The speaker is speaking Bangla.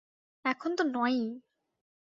এখন তো নয়ই।